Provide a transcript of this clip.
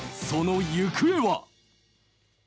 その行方は。